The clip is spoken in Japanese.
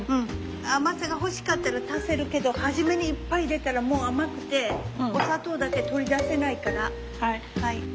甘さが欲しかったら足せるけど初めにいっぱい入れたらもう甘くてお砂糖だけ取り出せないから。